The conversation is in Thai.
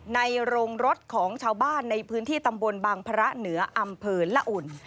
โรงรถของชาวบ้านในพื้นที่ตำบลบางพระเหนืออำเภอละอุ่น